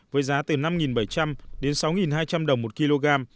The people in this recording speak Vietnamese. với giá từ năm bảy trăm linh đến sáu hai trăm linh đồng một kg